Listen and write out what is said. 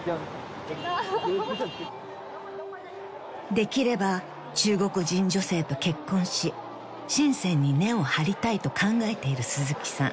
［できれば中国人女性と結婚し深に根を張りたいと考えている鈴木さん］